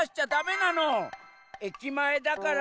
駅前だから。